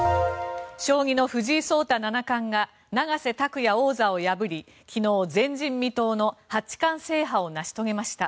将棋の藤井聡太七冠が永瀬拓矢王座を破り昨日、前人未到の八冠制覇を成し遂げました。